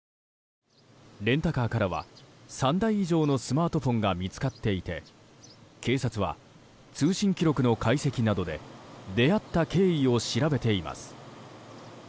レンタカーからは３台以上のスマートフォンが見つかっていて警察は通信記録の解析などで出会った経緯を調べています。